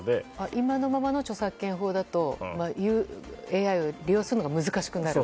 今のままの著作権法だとＡＩを利用するのが難しくなる。